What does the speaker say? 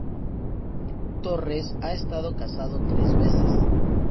Torres, ha estado casado tres veces.